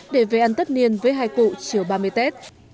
để về ăn tất niên với hai cụ chiều ba mươi tết